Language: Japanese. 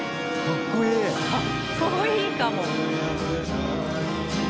かっこいいかも！